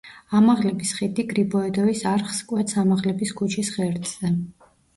ამაღლების ხიდი გრიბოედოვის არხს კვეთს ამაღლების ქუჩის ღერძზე.